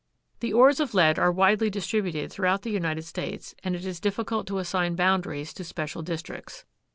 The ores of lead are widely distributed throughout the United States and it is difficult to assign boundaries to special districts.